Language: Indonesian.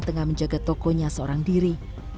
tengah menjaga tokonya seorang diri